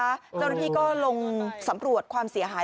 เจ้าหน้าที่ก็ลงสำรวจความเสียหาย